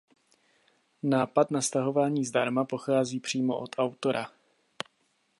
Nápad na stahování zdarma pochází přímo od autora.